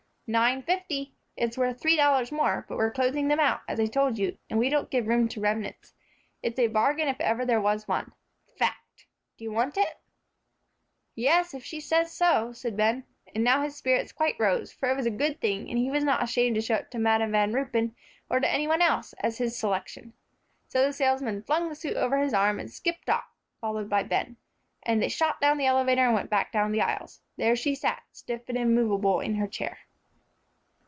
"Nine fifty. It's worth three dollars more, but we're closing them out, as I told you, and we don't give room to remnants. It's a bargain if ever there was one. Fact! Do you want it?" "Yes, if she says so," said Ben. And now his spirits quite rose, for it was a good thing, and he was not ashamed to show it to Madam Van Ruypen, or to any one else, as his selection. So the salesman flung the suit over his arm, and skipped off, followed by Ben. And they shot down the elevator and went back down all the aisles. There she sat, stiff and immovable, in her chair.